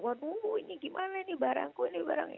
waduh ini gimana ini barangku ini barang